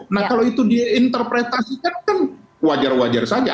nah kalau itu diinterpretasikan kan wajar wajar saja